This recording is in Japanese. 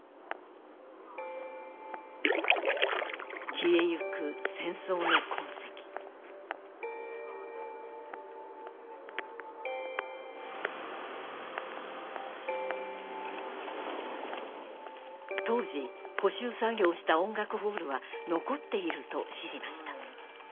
消えゆく戦争の痕跡当時補修作業をした音楽ホールは残っていると知りました